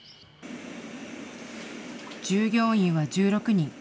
従業員は１６人。